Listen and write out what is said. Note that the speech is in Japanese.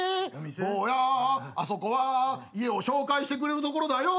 「坊やあそこは家を紹介してくれるところだよ」